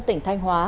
tỉnh thanh hóa